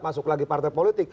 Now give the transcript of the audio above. masuk lagi partai politik